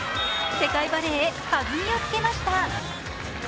世界バレーへ、弾みをつけました。